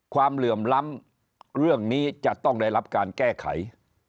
เหลื่อมล้ำเรื่องนี้จะต้องได้รับการแก้ไข